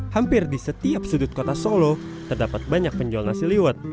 hampir di setiap sudut kota solo terdapat banyak penjual nasi liwet